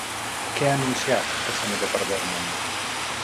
Què ha anunciat el senador per Vermont?